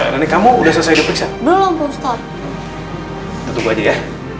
tunggu aja ya